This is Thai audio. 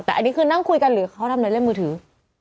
แต่อันนี้คือนั่งคุยกันหรือเขาทำอะไรเล่นมือถือ